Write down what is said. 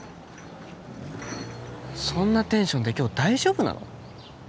そんなテンションで今日大丈夫なの？